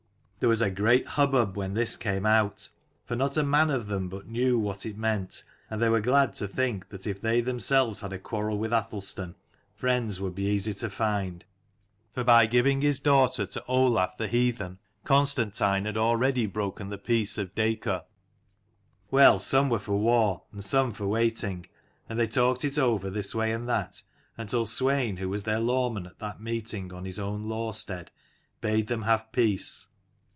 There was a great hubbub when this came out, for not a man of them but knew what it meant and they were glad to think that if they themselves had a quarrel with Athelstan, friends would be easy to find. For by giving his daughter to Olaf the heathen, Constantine had already broken the peace of Dacor. Well, some were for war, and some for waiting; and they talked it over this way and that, until Swein, who was their lawman at that meeting on his own law stead, bade them have peace.